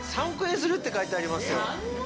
３億円するって書いてありますよ。